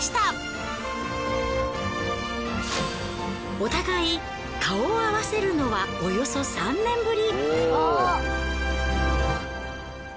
お互い顔を合わせるのはおよそ３年ぶり。